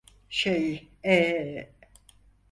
Şey, ee…